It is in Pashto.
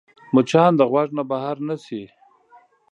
مچان د غوږ نه بهر نه شي